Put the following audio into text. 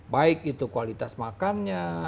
baik itu kualitas makannya